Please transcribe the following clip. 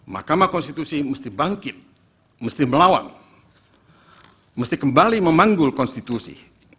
mahkamah konstitusi mesti bangkit mesti melawan mesti kembali memanggul konstitusi